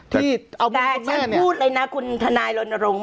แต่ฉันพูดเลยนะคุณฐานายรณรงค์